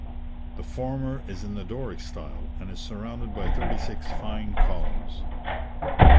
The former is in the Doric style, and is surrounded by thirty six fine columns.